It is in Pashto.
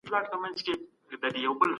د خدماتو سکتور هم ارزښت لري.